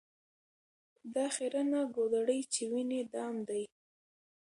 دا خیرنه ګودړۍ چي وینې دام دی